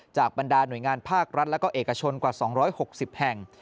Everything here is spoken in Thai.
บรรดาหน่วยงานภาครัฐและก็เอกชนกว่า๒๖๐แห่ง